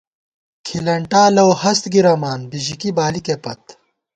کھِلنٹا لَؤ ہَست گِرَمان، بِژِکی بالِکے پت